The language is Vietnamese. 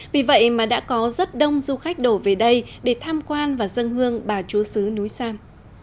vì vậy mà đã có rất đông du khách đổ về đây để tham quan và dân hương bà chúa sứ núi sam